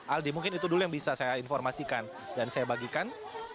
aldi mungkin itu dulu yang bisa saya informasikan dan saya bagikan